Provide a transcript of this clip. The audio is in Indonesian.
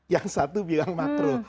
yang satu bilang makruh